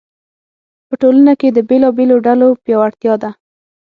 په ټولنه کې د بېلابېلو ډلو پیاوړتیا ده.